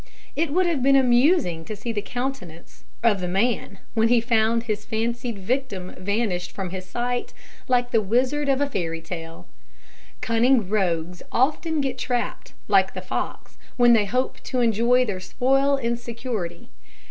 It would have been amusing to see the countenance or the man, when he found his fancied victim vanish from his sight like the wizard of a fairy tale. Cunning rogues often get trapped, like the fox, when they hope to enjoy their spoil in security.